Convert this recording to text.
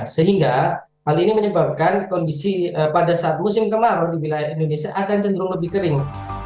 sehingga hal ini menyebabkan kondisi pada saat musim kemarau di wilayah indonesia akan cenderung lebih kering